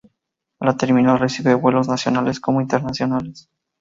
La terminal recibe vuelos nacionales como internacionales.